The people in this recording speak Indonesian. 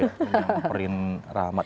yang perin rahmat